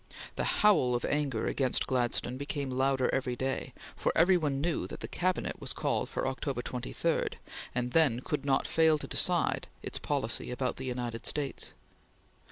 The howl of anger against Gladstone became louder every day, for every one knew that the Cabinet was called for October 23, and then could not fail to decide its policy about the United States.